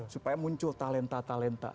supaya muncul talenta talenta